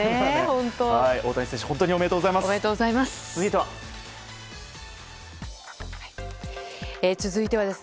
大谷選手、本当におめでとうございます。